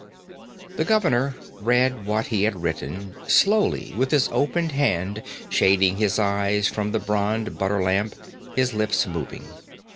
The governor read what he had written, slowly, with his open hand shading his eyes from the bronze butterlamp, his lips moving.